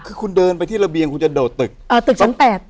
คือคุณเดินไปที่ระเบียงคุณจะโดดตึกเอ่อตึกชั้นแปด